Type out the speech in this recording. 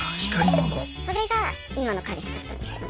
それが今の彼氏だったんですよね。